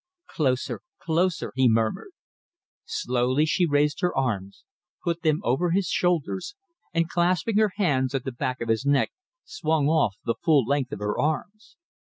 "Closer! Closer!" he murmured. Slowly she raised her arms, put them over his shoulders, and clasping her hands at the back of his neck, swung off the full length of her arms.